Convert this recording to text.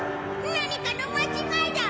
何かの間違いだ！